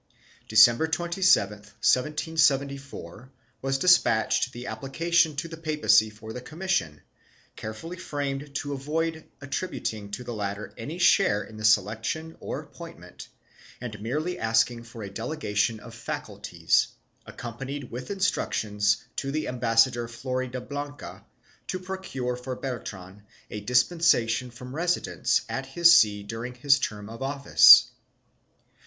Decem ber 27, 1774, was despatched the application to the papacy for the commission, carefully framed to avoid attributing to the latter any share in the selection or appointment and merely asking for a delegation of faculties, accompanied with instruc tions to the ambassador Floridablanca to procure for Bertran a dispensation from residence at his see during his term of office.